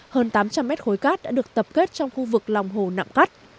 hơn tám trăm linh mét khối cát đã được tập kết trong khu vực lòng hồ nạm cát